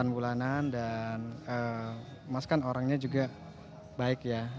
delapan bulanan dan mas kan orangnya juga baik ya